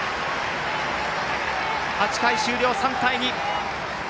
８回終了、３対２。